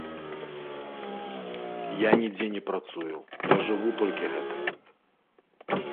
Я нідзе не працую, я жыву толькі гэтым.